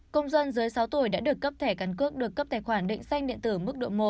công dân dưới sáu tuổi đã được cấp thẻ căn cước được cấp tài khoản định danh điện tử mức độ một